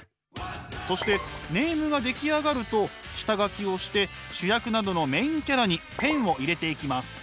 そしてネームが出来上がると下描きをして主役などのメインキャラにペンを入れていきます。